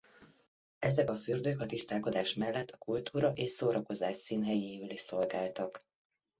Ezek a fürdők a tisztálkodás mellett a kultúra és szórakozás színhelyéül is szolgáltak.